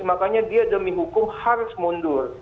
makanya dia demi hukum harus mundur